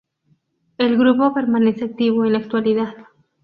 El grupo permanece activo en la actualidad.